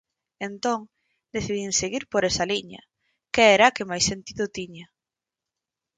Entón, decidín seguir por esa liña, que era a que máis sentido tiña.